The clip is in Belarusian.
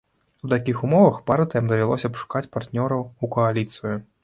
У такіх умовах партыям давялося б шукаць партнёраў у кааліцыю.